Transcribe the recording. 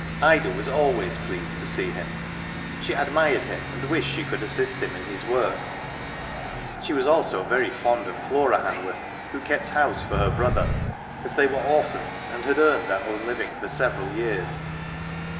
Ida was always pleased to see him. She admired him, and wished she could assist him in his work. She was also very fond of Flora Han worth, who kept house for her brother, as they were orphans, and had earned their own living for several years.